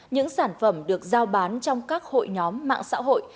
những sản phẩm được giao bán trong các hội nhóm mạng xã hội